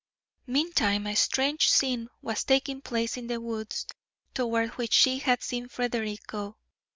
Meantime a strange scene was taking place in the woods toward which she had seen Frederick go.